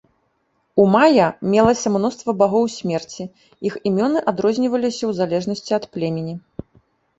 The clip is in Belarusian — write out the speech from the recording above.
У мая мелася мноства багоў смерці, іх імёны адрозніваліся ў залежнасці ад племені.